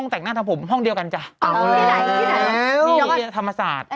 ต่างหน้าทั้งผมห้องเดียวกันจ้ะตรงนี้นะครับอ๋อไปไหนธรรมศาสตร์